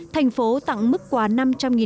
thành phố tặng mức quà năm trăm linh đồng